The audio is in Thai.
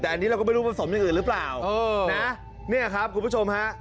แต่อันนี้เราก็ไม่รู้ผสมอย่างอื่นหรือเปล่าเออนะเนี่ยครับคุณผู้ชมฮะ